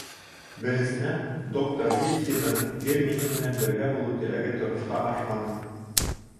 Беренсенән, доктор Ливсиҙың гел минең менән бергә булыу теләге тормошҡа ашманы.